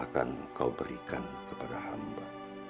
yang kau berikan kepada hamba